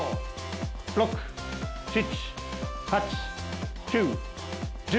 ６・７・８・９・１０。